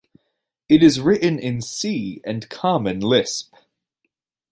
It is written in C and Common Lisp.